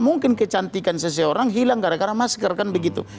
mungkin kecantikan seseorang hilang gara gara masker kan begitu